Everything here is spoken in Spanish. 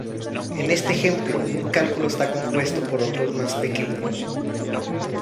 En este ejemplo, un cálculo está compuesto por otros más pequeños.